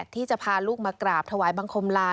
ที่จะพาลูกมากราบถวายบังคมลา